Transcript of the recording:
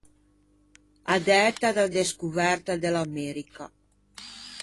A dæta da descoverta de l’America.